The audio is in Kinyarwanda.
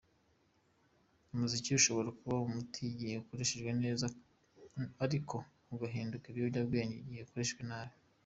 Umuziki ushobora kuba umuti igihe ukoreshejwe neza ariko ugahinduka ikiyobyabwenge igihe ukoreshejwe nabi.